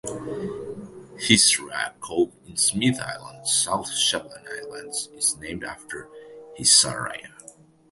Hisarya Cove in Smith Island, South Shetland Islands is named after Hisarya.